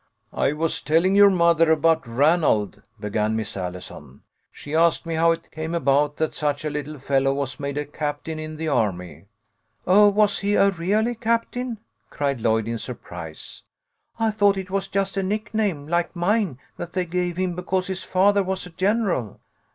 " I was telling your mother about Ranald," began Miss Allison. "She asked me how it came about that such a little fellow was made captain in the army." " Oh, was he a really captain ?" cried Lloyd, in surprise. " I thought it was just a nickname like mine that they gave him, because his father was a general."